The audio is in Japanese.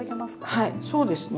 はいそうですね